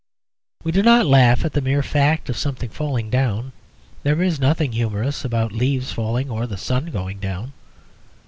We do not laugh at the mere fact of something falling down; there is nothing humorous about leaves falling or the sun going down.